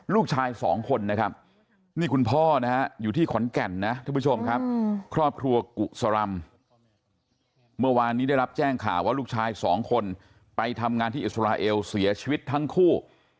ลูกชายสองคนนะครับนี่คุณพ่อนะฮะอยู่ที่ขอนแก่นนะทุกผู้ชมครับครอบครัวกุศรำเมื่อวานนี้ได้รับแจ้งข่าวว่าลูกชายสองคนไปทำงานที่อิสราเอลเสียชีวิตทั้งคู่